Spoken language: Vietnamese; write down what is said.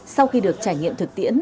sau khi được trải nghiệm thực tiễn